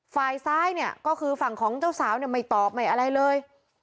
ฝ่ายซ้ายเนี่ยก็คือฝั่งของเจ้าสาวเนี่ยไม่ตอบไม่อะไรเลย